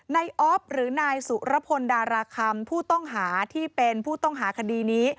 อ๊อฟหรือนายสุรพลดาราคำผู้ต้องหาที่เป็นผู้ต้องหาคดีนี้